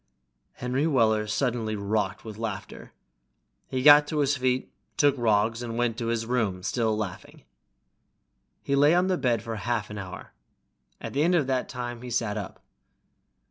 Henry Weller suddenly rocked with laughter. He got to his feet, took Roggs, and went to his room, still laughing. He lay on the bed for half an hour. At the end of that time he sat up.